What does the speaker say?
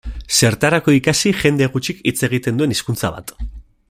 Zertarako ikasi jende gutxik hitz egiten duen hizkuntza bat?